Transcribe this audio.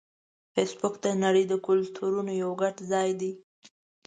فېسبوک د نړۍ د کلتورونو یو ګډ ځای دی